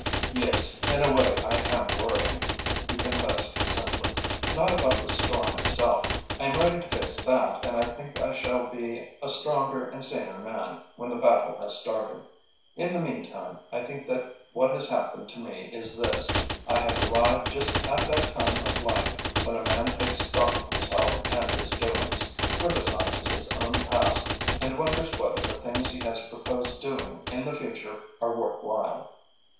"Yes, in a way I am worrying," he confessed simply. "Not about the storm itself. I am ready to face that and I think I shall be a stronger and a saner man when the battle has started. In the meantime, I think that what has happened to me is this. I have arrived just at that time of life when a man takes stock of himself and his doings, criticises his own past and wonders whether the things he has proposed doing in the future are worth while."